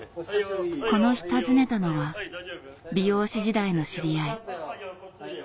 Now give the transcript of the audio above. この日訪ねたのは美容師時代の知り合い。